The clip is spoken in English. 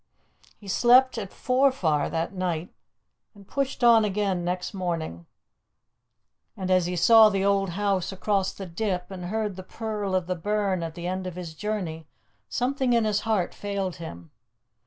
He slept at Forfar that night, and pushed on again next morning; and as he saw the old house across the dip, and heard the purl of the burn at the end of his journey, something in his heart failed him.